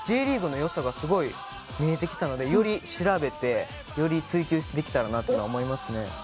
Ｊリーグの良さがすごい見えてきたのでより調べてより追究できたらなっていうのは思いますね。